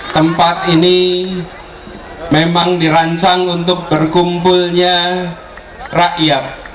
tempat ini memang dirancang untuk berkumpulnya rakyat